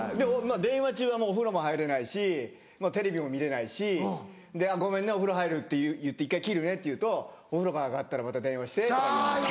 電話中はお風呂も入れないしテレビも見れないし「ごめんねお風呂入る一回切るね」って言うと「お風呂から上がったらまた電話して」とか言われて。